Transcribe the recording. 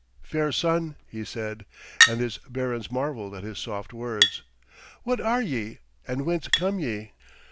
'Fair son,' he said, and his barons marvelled at his soft words, 'what are ye and whence come ye?'